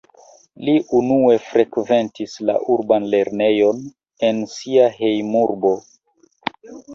Li unue frekventis la urban lernejon en sia hejmurbo.